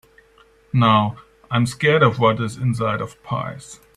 Now, I’m scared of what is inside of pies.